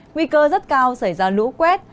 nguy cơ rất cao xảy ra lũ quét